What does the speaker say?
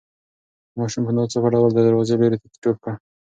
ماشوم په ناڅاپي ډول د دروازې لوري ته ټوپ کړ.